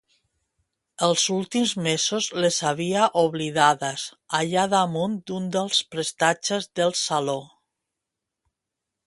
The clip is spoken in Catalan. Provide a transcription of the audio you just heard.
Els últims mesos les havia oblidades, allà damunt d'un dels prestatges del saló.